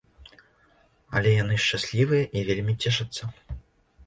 Але яны шчаслівыя і вельмі цешацца.